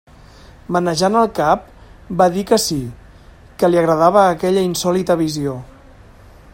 Menejant el cap va dir que sí, que li agradava aquella insòlita visió.